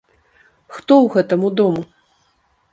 Хто ў гэтаму дому!